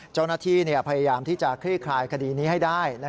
เจ้าหน้าที่พยายามที่จะคลี่คลายคดีนี้ให้ได้